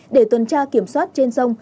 để tuần tra kiểm soát trên sông